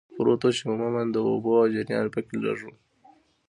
پروت و، چې عموماً د اوبو جریان پکې لږ و.